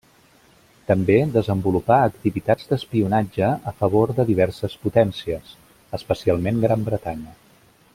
També desenvolupà activitats d'espionatge a favor de diverses potències, especialment Gran Bretanya.